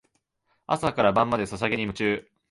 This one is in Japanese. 朝から晩までソシャゲに夢中